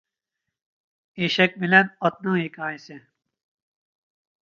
ئېشەك بىلەن ئاتنىڭ ھېكايىسى